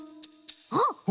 あっ！